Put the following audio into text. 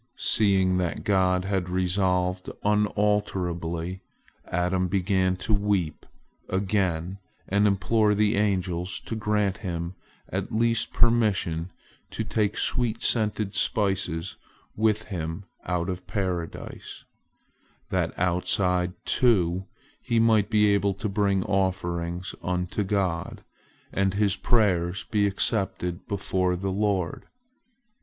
Seeing that God had resolved unalterably, Adam began to weep again and implore the angels to grant him at least permission to take sweet scented spices with him out of Paradise, that outside, too, he might be able to bring offerings unto God, and his prayers be accepted before the Lord.